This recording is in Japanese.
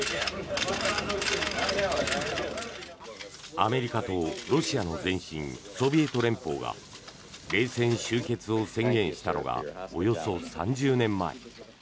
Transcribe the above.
アメリカとロシアの前身ソビエト連邦が冷戦終結を宣言したのがおよそ３０年前。